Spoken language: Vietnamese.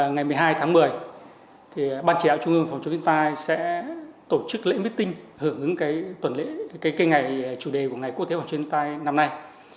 ngày một mươi hai tháng một mươi ban chỉ đạo trung ương phòng chống thiên tai sẽ tổ chức lễ meeting hưởng ứng cái ngày chủ đề của ngày quốc tế phòng chống thiên tai năm nay